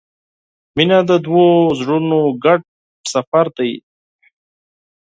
• مینه د دوو زړونو ګډ سفر دی.